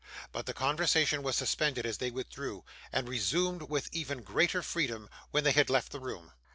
But the conversation was suspended as they withdrew, and resumed with even greater freedom when they had left the room.